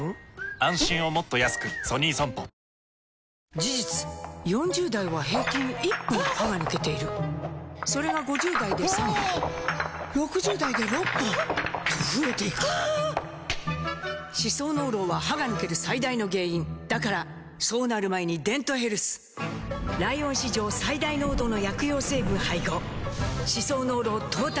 事実４０代は平均１本歯が抜けているそれが５０代で３本６０代で６本と増えていく歯槽膿漏は歯が抜ける最大の原因だからそうなる前に「デントヘルス」ライオン史上最大濃度の薬用成分配合歯槽膿漏トータルケア！